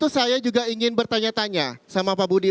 saya juga ingin bertanya tanya sama pak budi